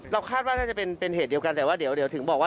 คาดว่าน่าจะเป็นเหตุเดียวกันแต่ว่าเดี๋ยวถึงบอกว่า